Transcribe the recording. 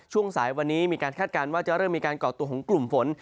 ช่วงสายวันนี้มีการคาดการณ์ว่าจะเริ่มมีการก่อตัวของกลุ่มฝน